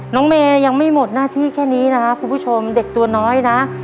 น้องเมย์ยังไม่หมดหน้าที่แค่นี้นะครับคุณผู้ชมเด็กตัวน้อยนะ